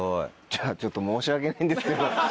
じゃあちょっと申し訳ないんですけど。